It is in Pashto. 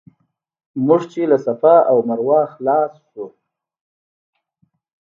موږ چې له صفا او مروه خلاص شو.